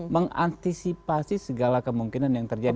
mengantisipasi segala kemungkinan yang terjadi